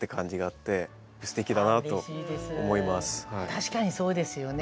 確かにそうですよね。